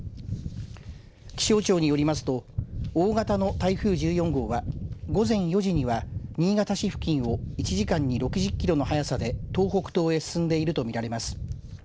気象庁によりますと大型の台風１４号は午前４時には新潟市付近を１時間に６０キロの速さで東北東へ進んでいると見られます。